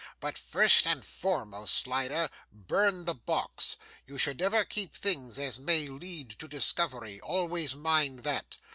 'But, first and foremost, Slider, burn the box. You should never keep things as may lead to discovery. Always mind that.